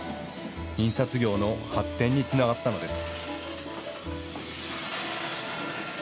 印刷業の発展につながったのです。